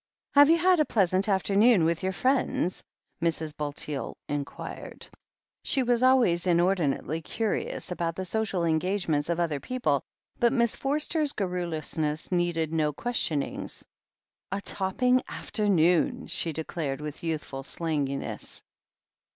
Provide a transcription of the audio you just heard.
"Have you had a pleasant afternoon with your friends?" Mrs. Bulteel inquired. She was always in ordinately curious about the social engagements of other people, but Miss Forster's garrulousness needed no questionings. "A topping afternoon 1" she declared with youthful slanginess.